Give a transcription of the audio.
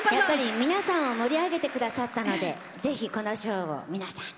皆さんを盛り上げてくださったのでぜひ、この賞を皆さんに。